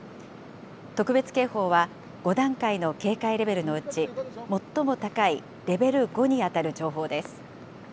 特別警報は、５段階の警戒レベルのうち最も高いレベル５に当たる情報です。